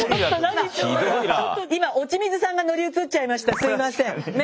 今落水さんが乗り移っちゃいました。